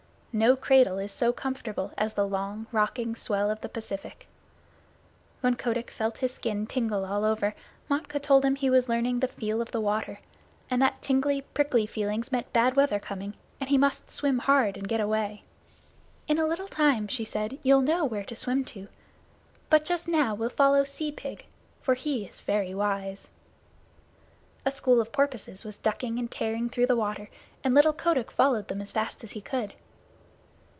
No cradle is so comfortable as the long, rocking swell of the Pacific. When Kotick felt his skin tingle all over, Matkah told him he was learning the "feel of the water," and that tingly, prickly feelings meant bad weather coming, and he must swim hard and get away. "In a little time," she said, "you'll know where to swim to, but just now we'll follow Sea Pig, the Porpoise, for he is very wise." A school of porpoises were ducking and tearing through the water, and little Kotick followed them as fast as he could.